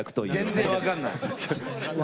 全く分かんない。